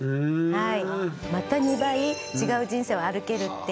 はい。